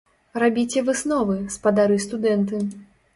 Рабіце высновы, спадары студэнты!